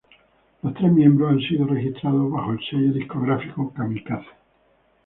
Los tres miembros han sido registrados bajo el sello discográfico Kamikaze.